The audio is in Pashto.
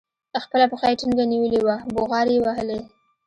خپله پښه يې ټينګه نيولې وه بوغارې يې وهلې.